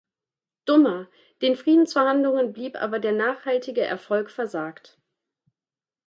Dummer; den Friedensverhandlungen blieb aber der nachhaltige Erfolg versagt.